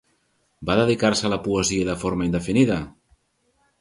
Va dedicar-se a la poesia de forma indefinida?